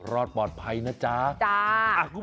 รอดปลอดภัยนะจ๊ะ